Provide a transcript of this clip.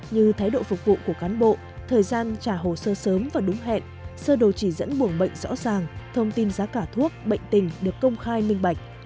như thái độ phục vụ của cán bộ thời gian trả hồ sơ sớm và đúng hẹn sơ đồ chỉ dẫn buồng bệnh rõ ràng thông tin giá cả thuốc bệnh tình được công khai minh bạch